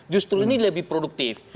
justru ini lebih produktif